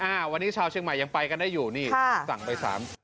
อ่าวันนี้ชาวเชียงใหม่ยังไปกันได้อยู่นี่สั่งไปสาม